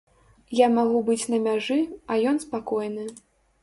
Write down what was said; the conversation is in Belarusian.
Я магу быць на мяжы, а ён спакойны.